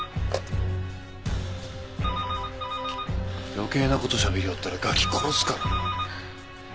余計な事しゃべりよったらガキ殺すからな。